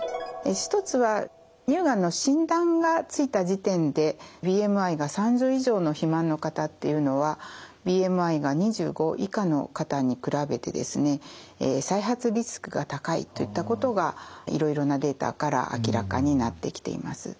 １つは乳がんの診断がついた時点でＢＭＩが３０以上の肥満の方っていうのはＢＭＩが２５以下の方に比べてですね再発リスクが高いといったことがいろいろなデータから明らかになってきています。